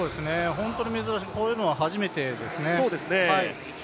本当に珍しい、こういうのは初めてですね。